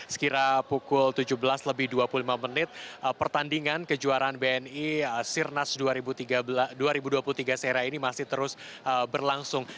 sekira pukul tujuh belas lebih dua puluh lima menit pertandingan kejuaraan bni sirnas dua ribu dua puluh tiga serai ini masih terus berlangsung